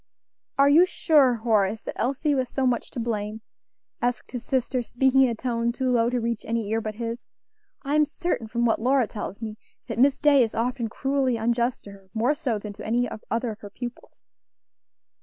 "Are you sure, Horace, that Elsie was so much to blame?" asked his sister, speaking in a tone too low to reach any ear but his. "I am certain, from what Lora tells me, that Miss Day is often cruelly unjust to her; more so than to any other of her pupils."